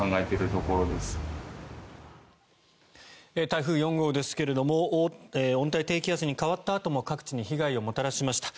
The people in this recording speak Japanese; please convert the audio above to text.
台風４号ですが温帯低気圧に変わったあとも各地に被害をもたらしました。